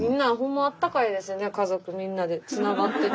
家族みんなでつながってて。